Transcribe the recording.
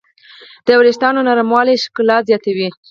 د وېښتیانو نرموالی ښکلا زیاتوي.